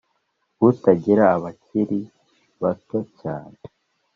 utangira bakiri bato cyane.